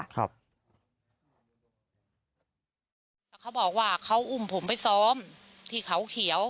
แล้วเขาบอกว่าเขาอุ้มผมไปซ้อมที่เขาเขียว